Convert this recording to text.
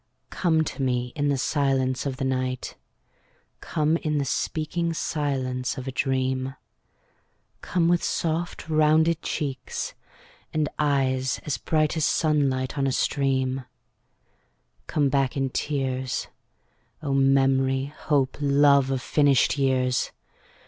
Come to me in the silence of the night; Come in the speaking silence of a dream; Come with soft rounded cheeks and eyes as bright As sunlight on a stream; Come back in tears, O memory, hope, love of finished years.